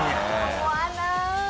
思わなーい！